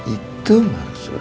itu maksud abah